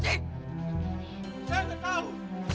saya nggak tahu